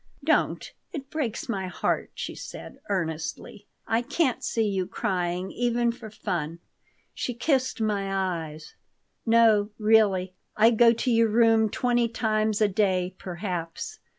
"Don't. It breaks my heart," she said, earnestly. "I can't see you crying even for fun." She kissed my eyes. "No, really, I go to your room twenty times a day, perhaps.